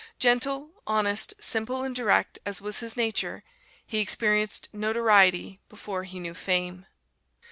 Gentle, honest, simple and direct as was his nature, he experienced notoriety before he knew fame.